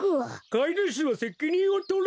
かいぬしはせきにんをとれ！